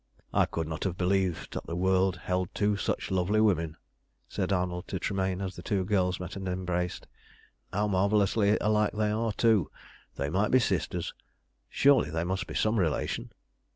"I could not have believed that the world held two such lovely women," said Arnold to Tremayne, as the two girls met and embraced. "How marvellously alike they are, too! They might be sisters. Surely they must be some relation."